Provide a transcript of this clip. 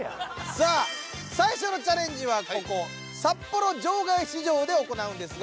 さあ最初のチャレンジはここ札幌場外市場で行うんですが。